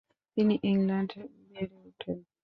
তিনি ইংল্যান্ডে বেড়ে ওঠেন।